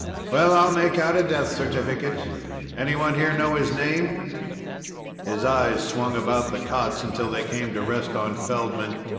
"Well, I'll make out a death certificate. Anyone here know his name?" His eyes swung about the cots until they came to rest on Feldman.